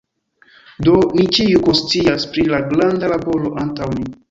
Do, ni ĉiuj konscias pri la granda laboro antaŭ ni.